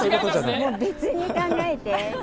もう、別に考えて！